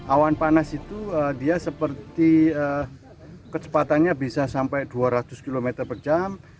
awan panas itu dia seperti kecepatannya bisa sampai dua ratus km per jam